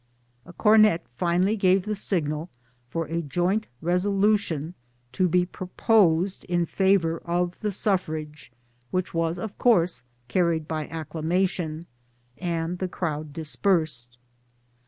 A cornet finally gave the signal for a joint resolution to be proposed in favour of the Suffrage, which was of course carried by acclamation, and the crowd dispersed.